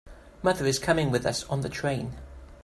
Mother is coming with us on the train.